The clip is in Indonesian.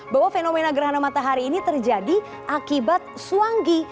bahwa fenomena gerhana matahari ini terjadi akibat suanggi